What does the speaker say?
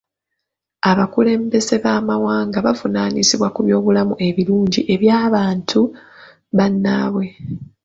Abakulembeze b'amawanga bavunaanyizibwa ku by'obulamu ebirungi eby'antu bannaabwe.